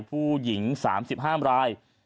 ผู้หญิง๓๕ราย